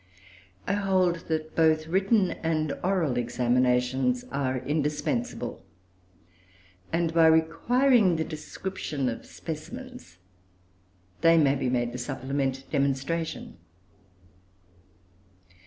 I hold that both written and oral examinations are indispensable, and, by requiring the description of specimens, they may be made to supplement demonstration.